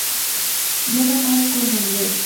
Viaja más con el Rev.